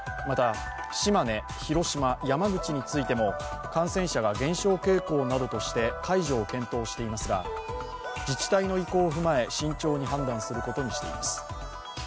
また島根、広島、山口についても感染者が減少傾向などとして解除を検討していますが、自治体の意向を踏まえ、慎重に判断することにしています。